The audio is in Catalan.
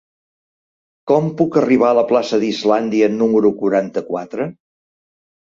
Com puc arribar a la plaça d'Islàndia número quaranta-quatre?